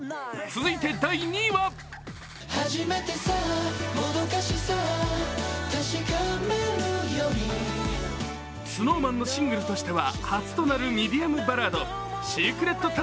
続いて第２位はＳｎｏｗＭａｎのシングルとしては初となるミディアムバラード。